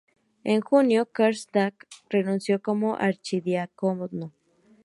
En junio, Karlstadt renunció como archidiácono.